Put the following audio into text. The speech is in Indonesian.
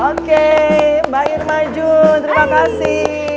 oke mbak irma jul terima kasih